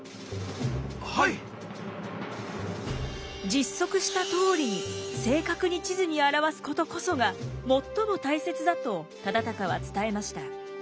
実測したとおりに正確に地図にあらわすことこそが最も大切だと忠敬は伝えました。